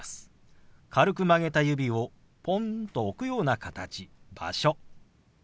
軽く曲げた指をポンと置くような形「場所」。